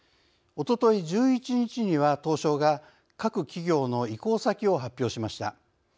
おととい１１日には、東証が各企業の移行先を発表しました。